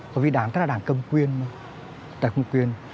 tại vì đảng tất là đảng cầm quyền